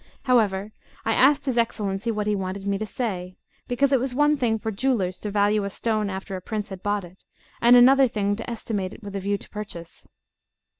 However, I asked his Excellency what he wanted me to say; because it was one thing for jewellers to value a stone after a prince had bought it, and another thing to estimate it with a view to purchase.